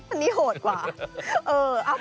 อันนี้โหดกว่า